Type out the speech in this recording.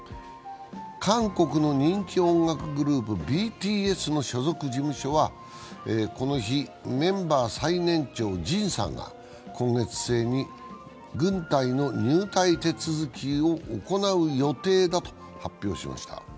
韓国の人気音楽グループ、ＢＴＳの所属事務所はこの日、メンバー最年長、ＪＩＮさんが今月末に軍隊の入隊手続きを行う予定だと発表しました。